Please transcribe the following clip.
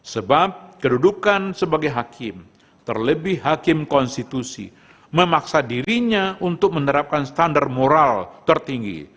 sebab kedudukan sebagai hakim terlebih hakim konstitusi memaksa dirinya untuk menerapkan standar moral tertinggi